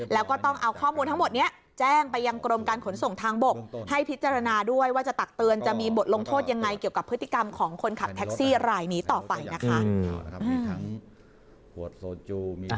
แล้วก็แต่งตัวเหมือนที่คุณผู้ชมเห็น